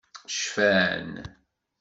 Cfan.